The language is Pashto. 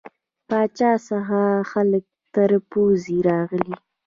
پاچا څخه خلک تر پوزې راغلي.